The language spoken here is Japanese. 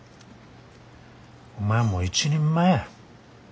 お前はもう一人前や。